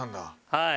はい。